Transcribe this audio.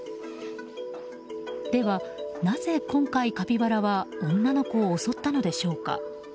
では、なぜ今回カピバラは女の子を襲ったのでしょうか。